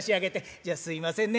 じゃあすいませんね